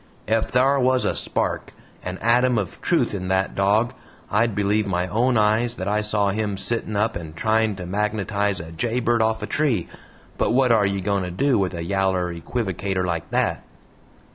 "Ef thar was a spark, an ATOM of truth in THAT DOG, I'd believe my own eyes that I saw him sittin' up and trying to magnetize a jay bird off a tree. But wot are ye goin' to do with a yaller equivocator like that?"